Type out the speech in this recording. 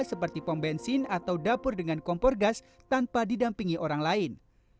seperti pom bensin atau dapur dengan kompor gas tanpa didampingi orang lain